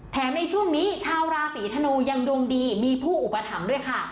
ในช่วงนี้ชาวราศีธนูยังดวงดีมีผู้อุปถัมภ์ด้วยค่ะ